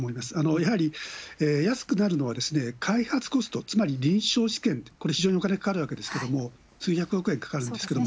やはり、安くなるのは、開発コスト、つまり臨床試験、これ、非常にお金かかるわけですけれども、数百億円かかるんですけれども。